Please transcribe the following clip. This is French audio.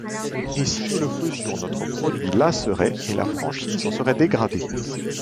Et si nous le faisions, notre produit lasserait et la franchise en serait dégradée.